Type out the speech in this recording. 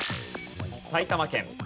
埼玉県。